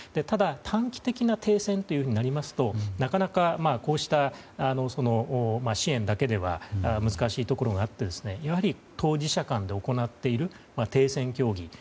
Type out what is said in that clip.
ただ、短期的な停戦ということになりますとなかなか、こうした支援だけでは難しいところがあってやはり当事者間で行っている停戦協議